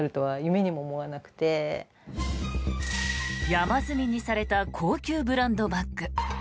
山積みにされた高級ブランドバッグ。